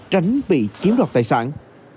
tránh bị kiếm đọc tài sản